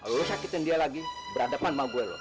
lo sakitin dia lagi beradepan sama gue lo